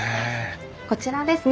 こちらですね